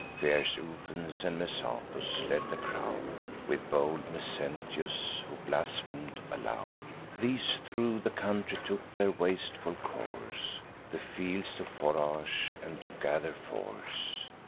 Fierce Ufens, and Messapus, led the crowd, With bold Mezentius, who blasphem'd aloud. These thro' the country took their wasteful course, The fields to forage, and to gather force.